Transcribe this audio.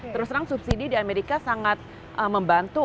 terus terang subsidi di amerika sangat membantu